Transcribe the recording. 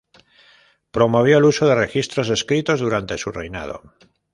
Promovió el uso de registros escritos durante su reinado.